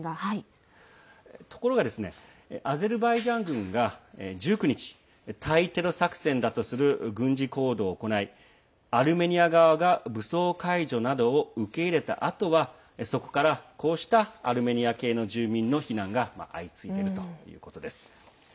ところがアゼルバイジャン軍が１９日対テロ作戦だとする軍事行動を行いアルメニア側が武装解除などを受け入れたあとは現地から、そこからこうしたアルメニア系の住民の避難が相次いでいるということです。